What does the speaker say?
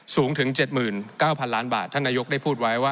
สูงถึง๗๙๐๐ล้านบาทท่านนายกได้พูดไว้ว่า